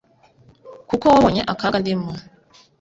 kuko wabonye akaga ndimo